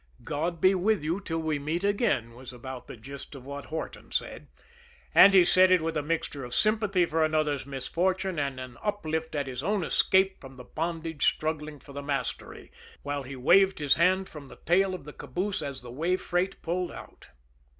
"God be with you till we meet again," was about the gist of what Horton said and he said it with a mixture of sympathy for another's misfortune and an uplift at his own escape from bondage struggling for the mastery, while he waved his hand from the tail of the caboose as the way freight pulled out.